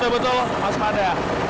harus betul betul pas pada